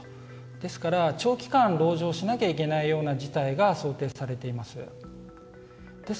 ですから、長期間籠城しなきゃいけない状況が想定されています。